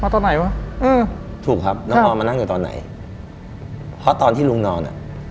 ตอนไหนวะอืมถูกครับน้องออนมานั่งอยู่ตอนไหนเพราะตอนที่ลุงนอนอ่ะ